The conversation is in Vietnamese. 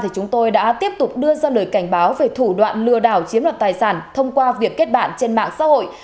chưa ra lời cảnh báo về thủ đoạn lừa đảo chiếm đoạt tài sản thông qua việc kết bản trên mạng xã hội